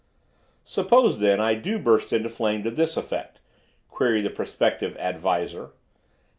"Suppose, then, I do burst into flame to this effect?" queried the prospective "Ad Visor."